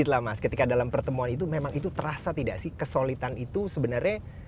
ketika dalam pertemuan itu memang itu terasa tidak sih kesolidan itu sebenarnya